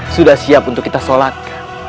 sudah siap untuk kita sholat